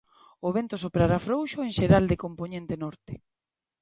O vento soprará frouxo en xeral de compoñente norte.